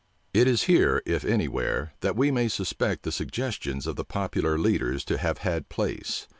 It is here, if any where, that we may suspect the suggestions of the popular leaders to have had place.